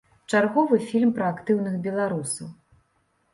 Чарговы фільм пра актыўных беларусаў.